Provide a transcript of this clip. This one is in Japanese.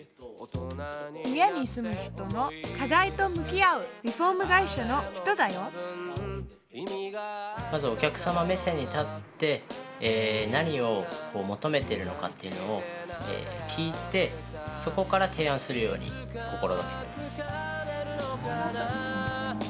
家に住む人の課題と向き合うリフォーム会社の人だよまずお客様目線に立って何を求めてるのかっていうのを聞いてそこから提案するように心がけてます。